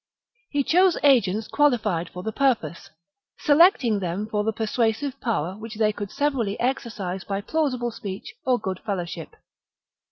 He chose agents qualified for the VII OF VERCINGETORIX 229 purpose, selecting them for the persuasive power 52 rc. which they could severally exercise by plausible speech or good fellowship.